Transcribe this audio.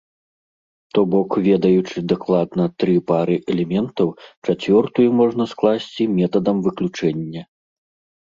То бок, ведаючы дакладна тры пары элементаў, чацвёртую можна скласці метадам выключэння.